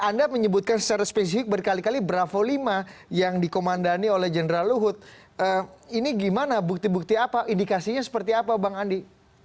anda menyebutkan secara spesifik berkali kali bravo lima yang dikomandani oleh general luhut ini gimana bukti bukti apa indikasinya seperti apa bang andi